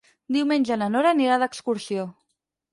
Diumenge na Nora anirà d'excursió.